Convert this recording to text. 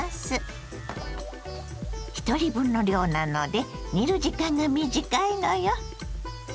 ひとり分の量なので煮る時間が短いのよ。